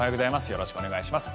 よろしくお願いします。